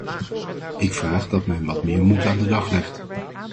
Ik vraag dat men wat meer moed aan de dag legt.